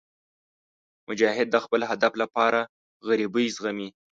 مجاهد د خپل هدف لپاره غریبۍ زغمي.